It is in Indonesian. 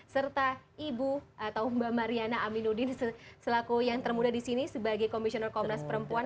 serta ibu atau mbak mariana aminuddin selaku yang termuda di sini sebagai komisioner komnas perempuan